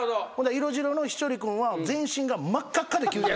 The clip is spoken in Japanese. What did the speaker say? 色白の稀哲君は全身が真っ赤っかで。